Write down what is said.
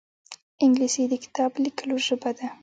انګلیسي د کتاب لیکلو ژبه ده